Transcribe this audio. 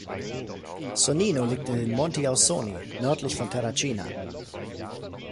Sonnino liegt in den Monti Ausoni nördlich von Terracina.